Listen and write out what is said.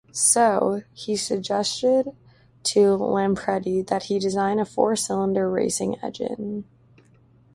So, he suggested to Lampredi that he design a four cylinder racing engine.